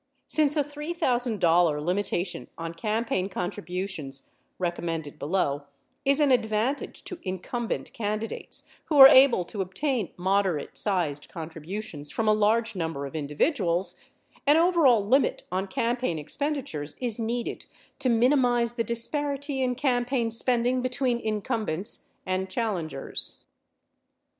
Since a $3,000 limitation on campaign contributions (recommended below) is an advantage to incumbent candidates — who are able to obtain, moderate sized contributions from a large number of individ uals — an overall limit on campaign expenditures is needed to minimize the disparity in campaign spending between incumbents and challengers.